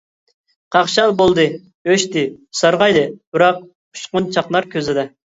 قاقشال بولدى، ئۆچتى، سارغايدى بىراق ئۇچقۇن چاقنار كۆزىدە.